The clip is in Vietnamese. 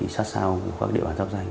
xa xao của các địa bàn giáp danh